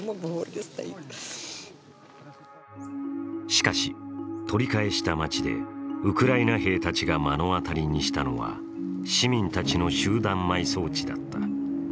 しかし、取り返した街でウクライナ兵たちが目の当たりにしたのは、市民たちの集団埋葬地だった。